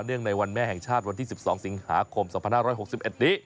ในวันแม่แห่งชาติวันที่๑๒สิงหาคม๒๕๖๑นี้